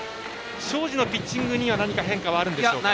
庄司のピッチングには変化はあるんでしょうか？